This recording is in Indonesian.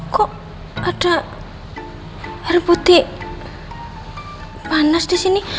kok ada air putih panas disini